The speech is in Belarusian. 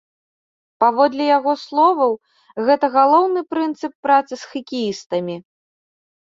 Паводле яго словаў, гэта галоўны прынцып працы з хакеістамі.